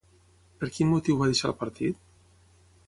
Per quin motiu va deixar el partit?